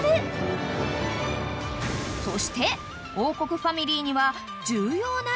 ［そして『王国』ファミリーには］